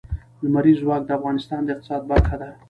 لمریز ځواک د افغانستان د اقتصاد برخه ده.